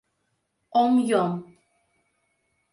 Ом йом...